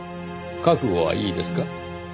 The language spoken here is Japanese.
覚悟はいいですか？